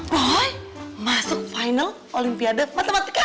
wahai masuk final olimpiade matematika